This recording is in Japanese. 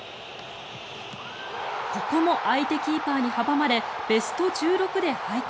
ここも相手キーパーに阻まれベスト１６で敗退。